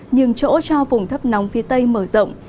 nhường chỗ cho vùng thấp nóng phía tây mở rộng